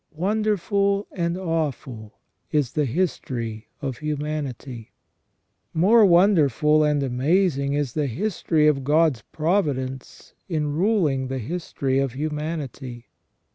Wonderful and awful is the history of humanity ! More wonderful and amazing is the history of God's providence in ruling the history of humanity